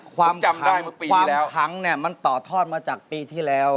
ความขังเนี่ยมันต่อทอดมาจากปีที่แล้ว